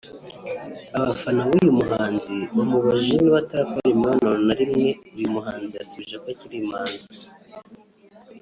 Abafana b’uyu muhanzi bamubajije niba atarakora imibonano na rimwe uyu muhanzi yasubije ko akiri imanzi